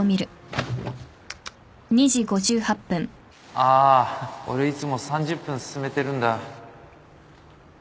ああ俺いつも３０分進めてるんだ